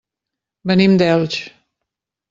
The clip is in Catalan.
Venim d'Elx.